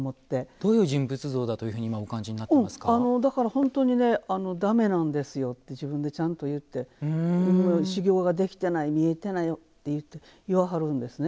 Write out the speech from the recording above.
どういう人物像だというふうにだから本当にね、だめなんですよって自分でちゃんと言って修行ができてない見えてないといって言わはるんですね。